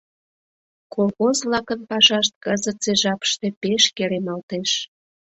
Колхоз-влакын пашашт кызытсе жапыште пеш керемалтеш.